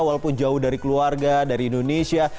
walaupun jauh dari keluarga dari indonesia